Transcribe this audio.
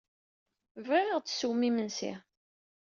Bɣiɣ ad aɣ-d-tessewwem imensi.